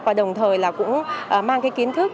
và đồng thời cũng mang kiến thức